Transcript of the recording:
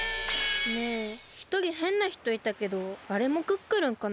ねえひとりへんなひといたけどあれもクックルンかな？